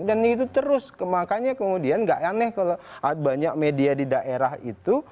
dan itu terus makanya kemudian nggak aneh kalau banyak media di daerah itu